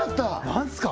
何すか？